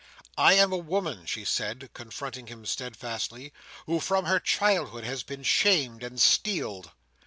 "I am a woman," she said, confronting him steadfastly, "who from her childhood has been shamed and steeled.